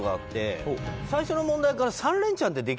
最初の問題から。